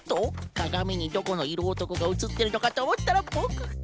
かがみにどこのいろおとこがうつってるのかとおもったらボクか。